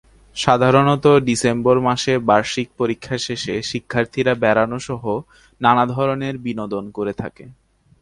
সাধারণত ডিসেম্বর মাসে বার্ষিক পরীক্ষা শেষে শিক্ষার্থীরা বেড়ানোসহ নানা ধরনের বিনোদন করে থাকে।